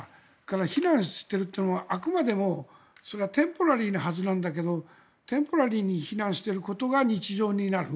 避難しているとそれは、あくまでもテンポラリーなはずなんだけどもテンポラリーに避難してることが日常になる。